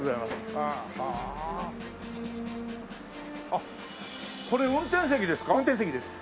あっこれ運転席ですか？